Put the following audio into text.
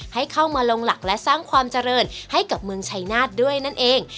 ให้เข้ามาลงหลักและสร้างความเจริญให้กับเมืองชัยนาธด้วยนั่นเอง